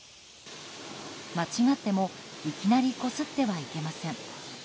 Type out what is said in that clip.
間違ってもいきなりこすってはいけません。